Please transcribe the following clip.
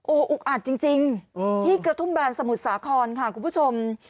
โอ้โหอุกอัดจริงที่กระทุ่มแบนสมุทรสาครค่ะคุณผู้ชม